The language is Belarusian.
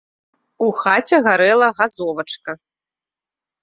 У хаце гарэла газовачка.